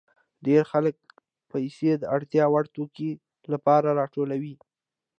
ډېر خلک پیسې د اړتیا وړ توکو لپاره راټولوي